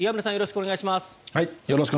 よろしくお願いします。